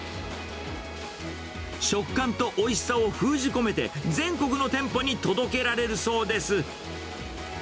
食感とおいしさを封じ込めて、全国の店舗に届けられるそうです。